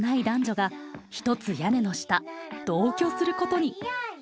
男女がひとつ屋根の下同居することに。